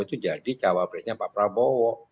itu jadi cawapresnya pak prabowo